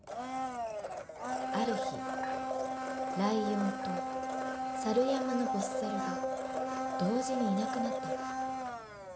ある日ライオンと猿山のボス猿が同時にいなくなったの